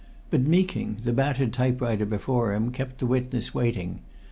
But Meeking, the battered typewriter before him, kept the witness waiting.